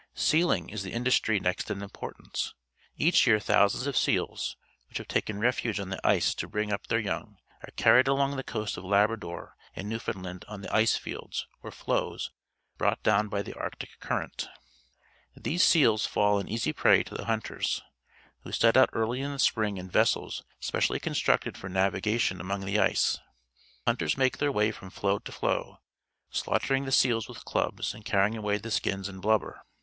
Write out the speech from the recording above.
.S ealing, is the industry next in importance. Each year thousands of seals , which have taken refuge on the ice to bring up their young, are carrietl along the coast of Labrador and Newfoundland on the ice fields, or floes, brought down by the Arctic Current. These seals fall an easy prey to the hunters, who set out early in the spring in vessels specially constructed for navigation among the ice. The hunters make their way from floe to floe, slaughtering the seals with clubs and carrying away the skins and blubber.